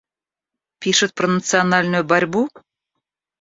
Пишет про национальную борьбу?